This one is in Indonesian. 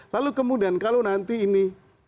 lalu kemudian kalau nanti ini